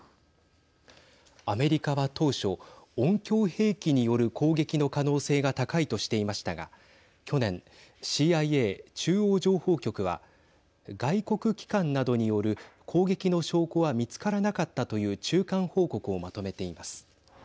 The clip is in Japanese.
アメリカは当初音響兵器による攻撃の可能性が高いとしていましたが去年、ＣＩＡ＝中央情報局は外国機関などによる攻撃の証拠は見つからなかったという中間報告をまとめています。